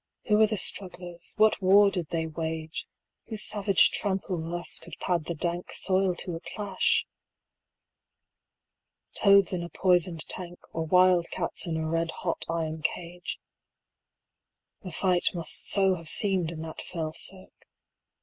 Who were the strugglers, what war did they wage, Whose savage trample thus could pad the dank 130 Soil to a plash? Toads in a poisoned tank, Or wild cats in a red hot iron cage The fight must so have seemed in that fell cirque.